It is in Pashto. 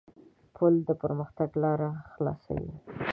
پُل د پرمختګ لاره خلاصوي.